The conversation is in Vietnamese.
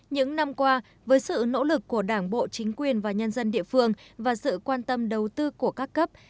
những năm qua với sự nỗ lực của đảng bộ chính quyền và nhân dân địa phương và sự quan tâm đầu tư của các cấp